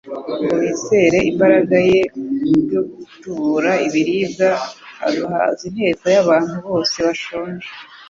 ngo bizere imbaraga ye yo gutubura ibiribwa, agahaza inteko y'abantu bose bashonje.